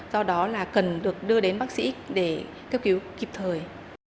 do đó là cần được đưa đến bác sĩ để cấp cứu kịp thời